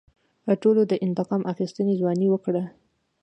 ټولو د انتقام اخیستنې ځوانۍ وکړې.